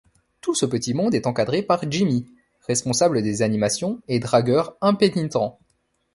Tout ce petit monde est encadré par Jimmy, responsable des animations et dragueur impénitent…